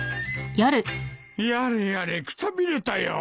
やれやれくたびれたよ。